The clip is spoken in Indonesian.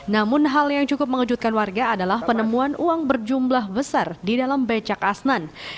namun hal yang cukup mengejutkan warga adalah penemuan uang berjumlah besar di dalam becak asnan